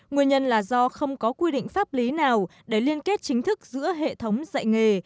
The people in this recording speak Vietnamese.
nguyên nhân là do không có quy định pháp lý nào để liên kết chính thức giữa hệ thống dạy nghề